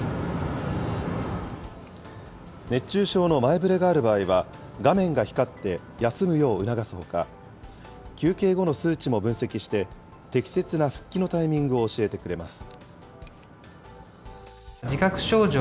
熱中症の前触れがある場合は、画面が光って、休むよう促すほか、休憩後の数値も分析して、適切な復帰のタイミングを教えてくれます。